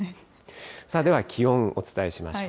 さあ、では気温お伝えしましょう。